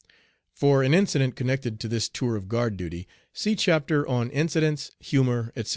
For an incident connected with this tour of guard duty, see chapter on "Incidents, Humor," etc.